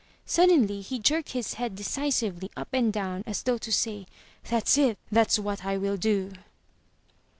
Suddenly, he jerked his head decisively up and down as though to say, "That's it! That's what I will do."